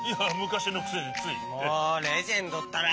もうレジェンドったら！